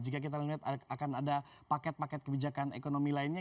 jika kita melihat akan ada paket paket kebijakan ekonomi lainnya